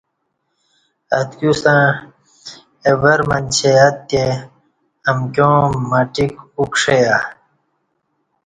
اتکیوستݩع اہ ور منچے اتے امکیاں ماٹیک اُوکݜیہ